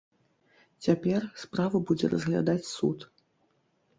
Цяпер справу будзе разглядаць суд.